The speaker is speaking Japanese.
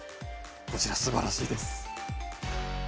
こちらすばらしいです。